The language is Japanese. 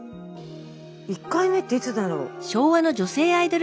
１回目っていつだろう？